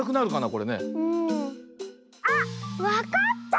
あっわかった！